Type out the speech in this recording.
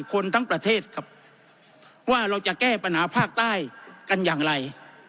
คนทั้งประเทศครับว่าเราจะแก้ปัญหาภาคใต้กันอย่างไร